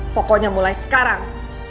pokoknya mulai sekarang